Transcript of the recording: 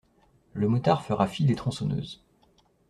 Le motard fera fi des tronçonneuses.